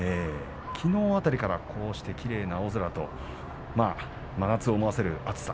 きのう辺りからこのきれいな青空と真夏を思わせるような暑さ。